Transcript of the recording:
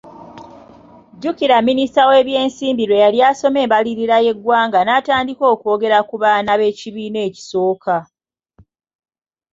Jjukira mminisita w’ebyensimbi lwe yali asoma embalirira y’eggwanga n’atandika okwogera ku baana b'ekibiina ekisooka.